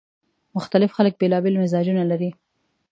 مختلف خلک بیلابېل مزاجونه لري